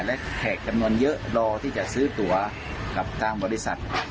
และแขกจำนวนเยอะรอที่จะซื้อตัวกับทางบริษัท